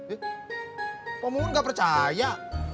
eh kamu pun gak percaya